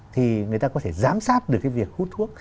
thì người ta có thể giám sát được cái việc hút thuốc